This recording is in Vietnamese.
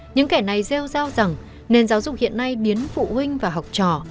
những kẻ này gieo giao rằng nền giáo dục hiện nay biến phụ huynh và học trò